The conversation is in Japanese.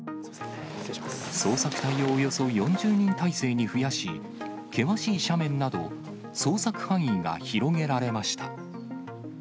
捜索隊をおよそ４０人態勢に増やし、険しい斜面など、捜索範囲が広げられました。